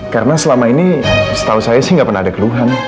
karena selama ini setahu saya sih gak pernah ada keluhan